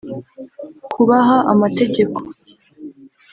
kubaha amategeko